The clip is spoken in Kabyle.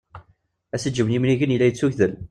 Asiǧǧew n yimrigen yella yettugdel.